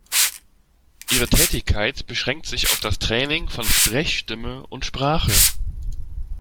Ihre Tätigkeit beschränkt sich auf das Training von Sprechstimme und Sprache.